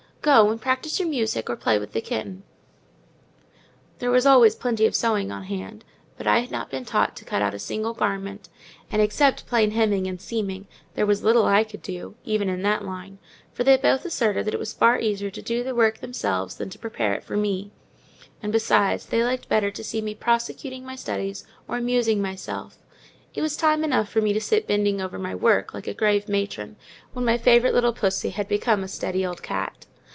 Go and practise your music, or play with the kitten." There was always plenty of sewing on hand; but I had not been taught to cut out a single garment, and except plain hemming and seaming, there was little I could do, even in that line; for they both asserted that it was far easier to do the work themselves than to prepare it for me: and besides, they liked better to see me prosecuting my studies, or amusing myself—it was time enough for me to sit bending over my work, like a grave matron, when my favourite little pussy was become a steady old cat.